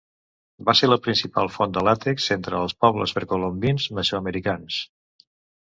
Va ser la principal font de làtex entre els pobles precolombins mesoamericans.